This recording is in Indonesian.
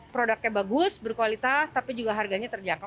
produknya bagus berkualitas tapi juga harganya terjangkau